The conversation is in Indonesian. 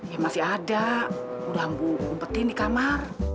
ya masih ada udah ambu umpetin di kamar